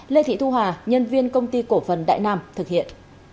lê thị thu hà nhân viên công ty cổ phần đại nam thực hiện